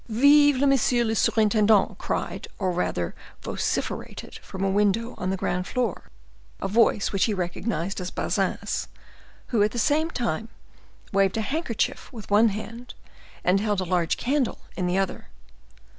"Vive le monsieur le surintendant!" cried, or rather vociferated, from a window on the ground floor, a voice which he recognized as Bazin's, who at the same time waved a handkerchief with one hand, and held a large candle in the other.